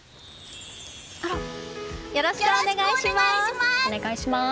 よろしくお願いします！